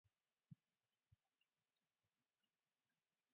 By default, input is standard input and output is standard output.